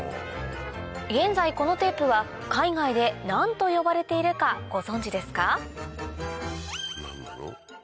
現在このテープは海外で何と呼ばれているかご存じですか？